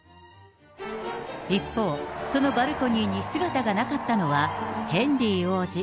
一方、そのバルコニーに姿がなかったのは、ヘンリー王子。